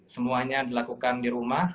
semuanya dilakukan di rumah